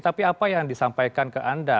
tapi apa yang disampaikan ke anda